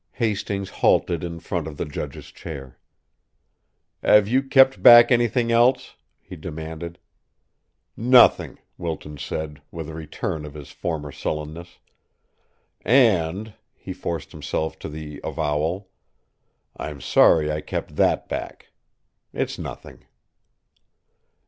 Hastings halted in front of the judge's chair. "Have you kept back anything else?" he demanded. "Nothing," Wilton said, with a return of his former sullenness. "And," he forced himself to the avowal, "I'm sorry I kept that back. It's nothing."